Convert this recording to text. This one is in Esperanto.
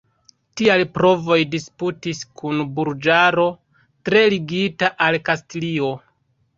Tiaj provoj disputis kun burĝaro, tre ligita al Kastilio.